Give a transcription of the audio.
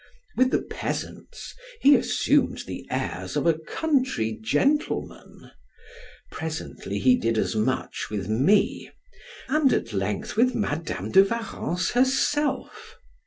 With the peasants he assumed the airs of a country gentleman; presently he did as much with me, and at length with Madam de Warrens herself.